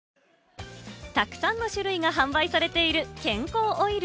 たくさんの種類が販売されている健康オイル。